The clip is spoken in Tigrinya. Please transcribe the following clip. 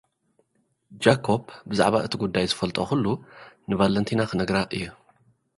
ጃኮብ ብዛዕባ እቲ ጉዳይ ዝፈልጦ ዅሉ ንቫለንቲና ኽነግራ እዩ።